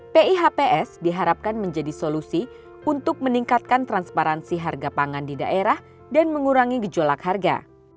pihps diharapkan menjadi solusi untuk meningkatkan transparansi harga pangan di daerah dan mengurangi gejolak harga